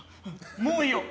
もういいよ！